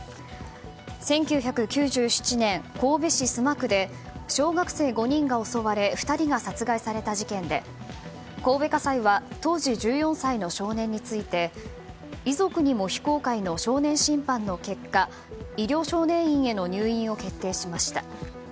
１９９７年、神戸市須磨区で小学生５人が襲われ２人が殺害された事件で神戸家裁は当時１４歳の少年について遺族にも非公開の少年審判の結果医療少年院への入院を決定しました。